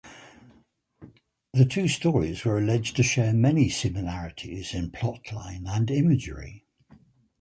The two stories were alleged to share many similarities in plot line and imagery.